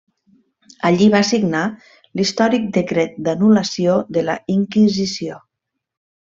Allí va signar l'històric decret d'anul·lació de la Inquisició.